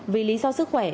vì lý do sức khỏe